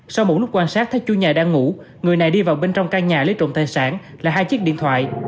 sau một lúc quan sát thấy chủ nhà đang ngủ người này đi vào bên trong căn nhà lấy trộm tài sản là hai chiếc điện thoại